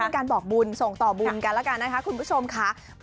การบอกบุญส่งต่อบุญกันแล้วกันนะคะคุณผู้ชมค่ะ